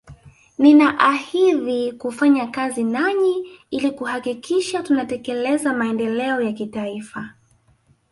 Ninaahidhi kufanya kazi nanyi ili kuhakikisha tunatekeleza maendeleo ya kitaifa